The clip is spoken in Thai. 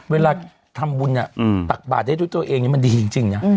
เวลาทำบุญอ่ะอืมตักบาทได้ด้วยตัวเองนี่มันดีจริงจริงน่ะอืม